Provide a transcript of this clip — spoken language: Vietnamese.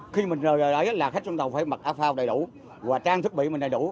khi mình rời đấy là khách xuống tàu phải mặc áo phao đầy đủ và trang thiết bị mình đầy đủ